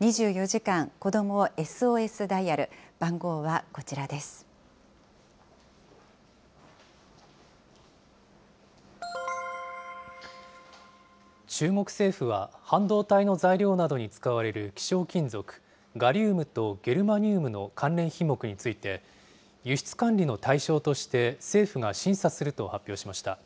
２４時間子供ＳＯＳダイヤル、番中国政府は、半導体の材料などに使われる希少金属、ガリウムとゲルマニウムの関連品目について、輸出管理の対象として政府が審査すると発表しました。